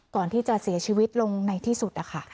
ก่อนที่จะเสียชีวิตลงในที่สุดนะคะ